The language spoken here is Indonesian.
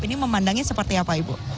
ini memandangnya seperti apa ibu